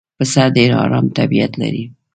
پسه ډېر آرام طبیعت لري.